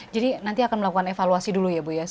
jadi nanti akan melakukan evaluasi dulu ya bu ya